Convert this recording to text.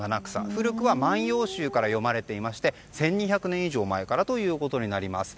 古くは万葉集から詠まれていまして１２００年以上前からとなります。